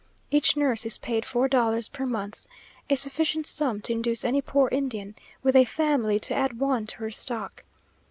Each nurse is paid four dollars per month, a sufficient sum to induce any poor Indian, with a family, to add one to her stock.